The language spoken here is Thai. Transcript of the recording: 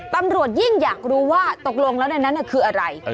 ตำรวจยิ่งอยากรู้ว่าตกลงแล้วในนั้นคืออะไร